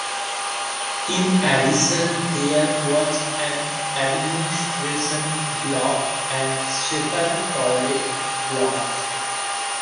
In addition there was an administration block and separate toilet blocks.